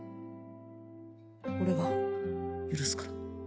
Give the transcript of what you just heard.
俺が許すから